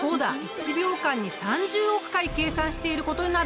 １秒間に３０億回計算していることになるんだ！